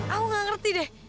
aku gak ngerti deh